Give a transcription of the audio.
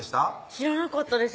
知らなかったです